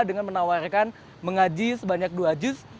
dengan menawarkan mengaji sebanyak dua juz